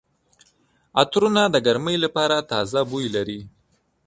عطرونه د ګرمۍ لپاره تازه بوی لري.